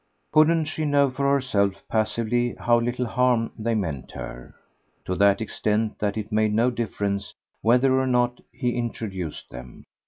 Couldn't she know for herself, passively, how little harm they meant her? to that extent that it made no difference whether or not he introduced them.